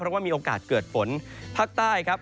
เพราะว่ามีโอกาสเกิดฝนภาคใต้ครับ